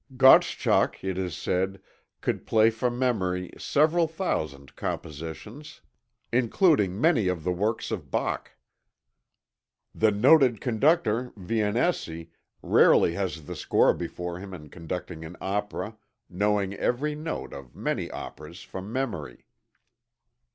Gottschalk, it is said, could play from memory several thousand compositions, including many of the works of Bach. The noted conductor, Vianesi, rarely has the score before him in conducting an opera, knowing every note of many operas from memory."